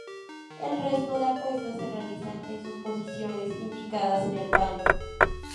El resto de apuestas se realizan en sus posiciones, indicadas en el paño.